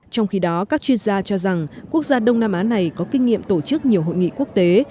trong khi đó các chuyên gia cho rằng quốc gia đông nam á này có kinh nghiệm tổ chức nhiều hội nghị quốc tế